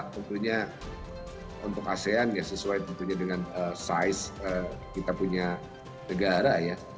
tentunya untuk asean sesuai dengan size kita punya negara